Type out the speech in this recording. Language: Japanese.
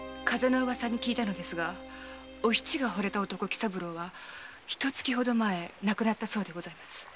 風のウワサに聞いたのですがお七が惚れた男喜三郎はひと月ほど前亡くなったそうでございます。